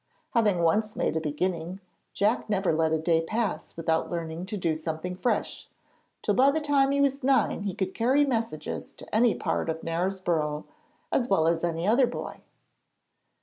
Having once made a beginning, Jack never let a day pass without learning to do something fresh, till by the time he was nine he could carry messages to any part of Knaresborough as well as another boy.